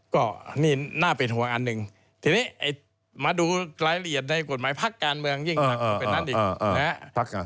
ก็นี่น่าเป็นห่วงอันหนึ่งทีนี้มาดูรายละเอียดในกฎหมายพักการเมืองยิ่งหนักก็เป็นนั้นอีกนะครับ